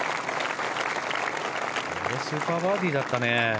本当にスーパーバーディーだったね。